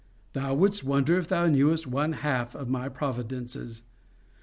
Thou wouldst wonder if thou knewest one half of my providences.